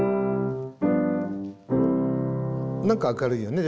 何か明るいよね。